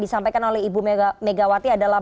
disampaikan oleh ibu megawati adalah